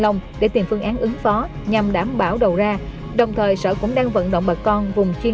nông để tìm phương án ứng phó nhằm đảm bảo đầu ra đồng thời sở cũng đang vận động bà con vùng chuyên